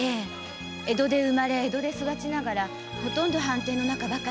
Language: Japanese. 江戸で生まれ江戸で育ちながらほとんど藩邸の中ばかりで。